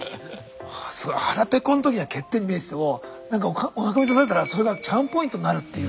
腹ぺこの時は欠点に見えてても何かおなか満たされたらそれがチャームポイントになるっていう。